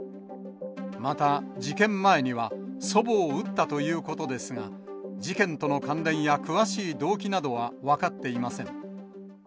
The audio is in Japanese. また、事件前には、祖母を撃ったということですが、事件との関連や詳しい動機などは分かっていません。